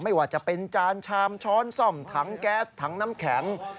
ไม่ว่าจะเป็นจานชามช้อนซ่อมถังแก๊สถังน้ำแข็ง